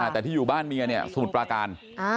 แต่ที่อยู่บ้านเมียเนี่ยสมุทรปราการ